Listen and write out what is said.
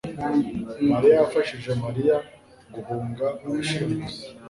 mariya yafashije Mariya guhunga abashimusi